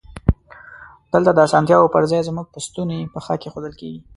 دلته د اسانتیاوو پر ځای زمونږ په ستونی پښه کېښودل کیږی.